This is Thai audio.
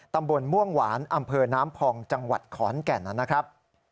ตำบลม่วงหวานอำเภอน้ำพองจังหวัดขอนแก่นนะครับ